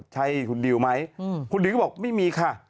ใช่คุณดิวไหมคุณดิวก็บอกไม่มีค่ะ